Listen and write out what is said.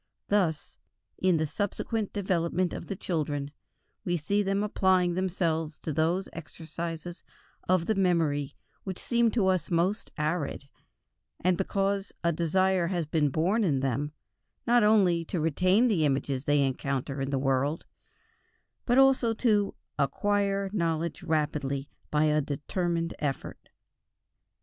Thus, in the subsequent development of the children, we see them applying themselves to those exercises of the memory which seem to us most arid, because a desire has been born in them, not only to retain the images they encounter in the world, but also to "acquire knowledge rapidly" by a determined effort.